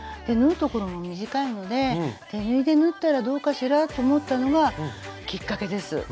縫う所も短いので手縫いで縫ったらどうかしらと思ったのがきっかけです。